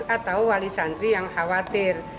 atau wali santri yang khawatir